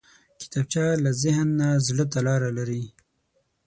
کتابچه له ذهن نه زړه ته لاره لري